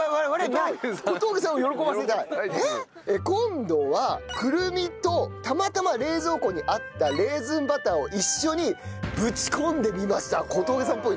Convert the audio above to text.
今度はくるみとたまたま冷蔵庫にあったレーズンバターを一緒にぶち込んでみました。